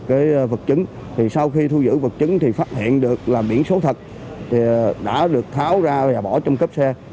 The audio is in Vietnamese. cái vật chứng thì sau khi thu giữ vật chứng thì phát hiện được là biển số thật thì đã được tháo ra và bỏ trong cấp xe